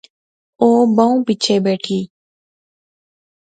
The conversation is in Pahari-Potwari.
او بہوں پیچھے بیٹھی